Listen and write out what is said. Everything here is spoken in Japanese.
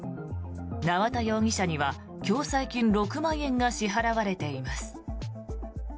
縄田容疑者には共済金６万円が支払われています。